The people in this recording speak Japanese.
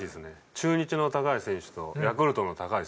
中日の橋選手とヤクルトの高橋選手。